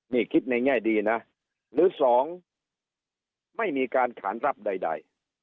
นี่คิดในแง่ดีนะหรือสองไม่มีการขานรับใด